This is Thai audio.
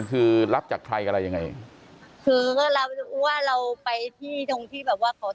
คือรับจากใครก็อะไรยังไงว่าเราไปที่ตรงที่แบบว่าเค้า